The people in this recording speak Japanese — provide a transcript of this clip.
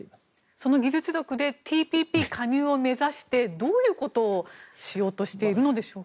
その技術力でＴＰＰ加入を目指してどういうことをしようとしているのでしょうか。